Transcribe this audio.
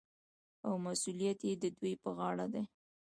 او مسوولیت یې د دوی په غاړه دی.